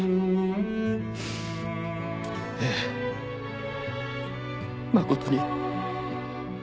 ええ誠に。